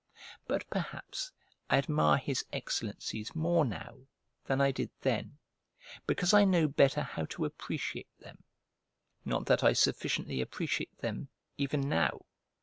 But, perhaps, I admire his excellencies more now than I did then, because I know better how to appreciate them; not that I sufficiently appreciate them even now.